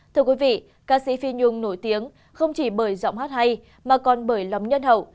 thưa quý vị ca sĩ phi nhung nổi tiếng không chỉ bởi giọng hát hay mà còn bởi lòng nhân hậu